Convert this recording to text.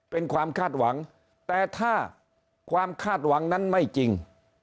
เป็นความคาดหวังแต่ถ้าความคาดหวังนั้นไม่จริง